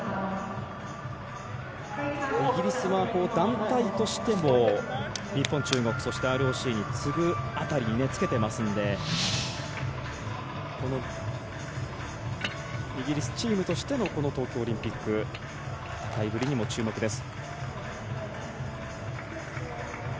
イギリスは、団体としても日本、中国、ＲＯＣに次ぐ辺りにつけていますのでイギリスチームとしての東京オリンピック戦いぶりにも注目です。